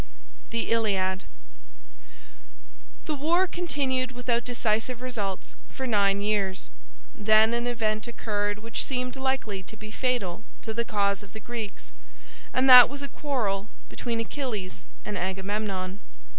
"THE ILIAD" The war continued without decisive results for nine years. Then an event occurred which seemed likely to be fatal to the cause of the Greeks, and that was a quarrel between Achilles and Agamemnon.